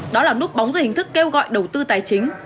đó là núp bóng dưới hình thức kêu gọi đầu tư tài chính